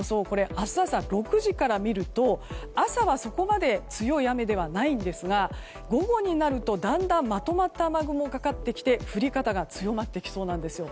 明日朝６時から見ると朝はそこまで強い雨ではないんですが午後になると、だんだんまとまった雨雲がかかってきて降り方が強まってきそうなんです。